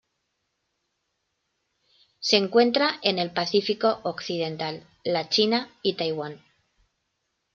Se encuentra en el Pacífico occidental: la China y Taiwán.